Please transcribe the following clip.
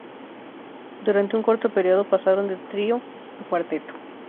Durante un corto periodo pasaron de trio a cuarteto.